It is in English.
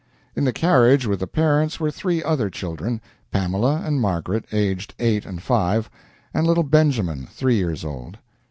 In the carriage with the parents were three other children Pamela and Margaret, aged eight and five, and little Benjamin, three years old.